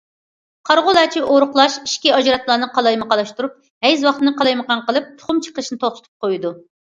قارىغۇلارچە ئورۇقلاش ئىچكى ئاجراتمىلارنى قالايمىقانلاشتۇرۇپ، ھەيز ۋاقتىنى قالايمىقان قىلىپ، تۇخۇم چىقىرىشىنى توختىتىپ قويىدۇ.